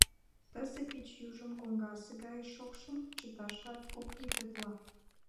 Тысе пич южым, коҥгасе гай шокшым, чыташат ок лий тетла.